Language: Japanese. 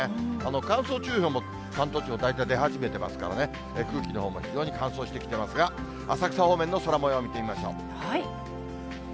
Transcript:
乾燥注意報も関東地方、大体、出始めてますからね、空気のほうが非常に乾燥してきてますが、浅草方面の空もようを見てみましょう。